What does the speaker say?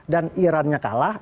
dan iran nya kalah